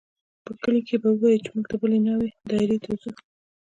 په کلي کښې به ووايو چې موږ د بلې ناوې دايرې ته ځو.